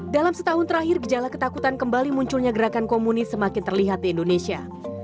dalam setahun terakhir gejala ketakutan kembali munculnya gerakan komunis semakin terlihat di indonesia